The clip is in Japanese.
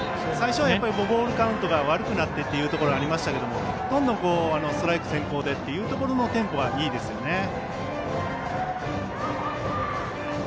最初はボールカウントが悪くなってというところがありましたがどんどんストライク先行でというテンポはいいですよね。